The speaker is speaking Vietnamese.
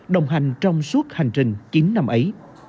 đồng hành trong suốt hành trình chín năm ấy